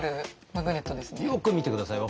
よく見て下さい。